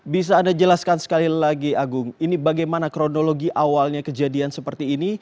bisa anda jelaskan sekali lagi agung ini bagaimana kronologi awalnya kejadian seperti ini